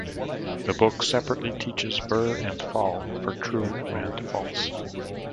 The book separately teaches Ver and Fal for true and false.